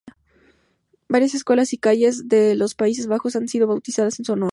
Varias escuelas y calles de los Países Bajos han sido bautizadas en su honor.